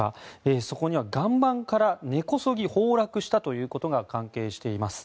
そこからは岩盤から根こそぎ崩落したということが関係しています。